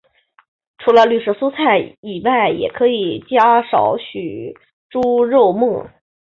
除了绿色蔬菜以外也可以加少许猪肉末。